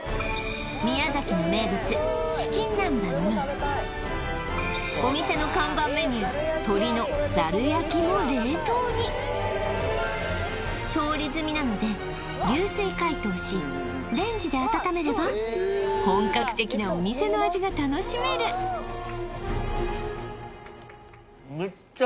宮崎の名物チキン南蛮にお店の看板メニュー鶏のざる焼を冷凍になので流水解凍しレンジで温めれば本格的なお店の味が楽しめるえっ